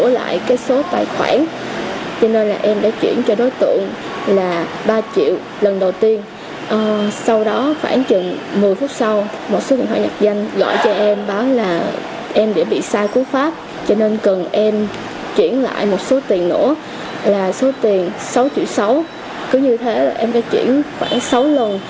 là số tiền sáu triệu sáu cứ như thế là em đã chuyển khoảng sáu lần